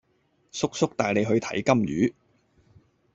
叔叔帶你去睇金魚